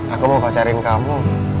aku mau pacarin kamu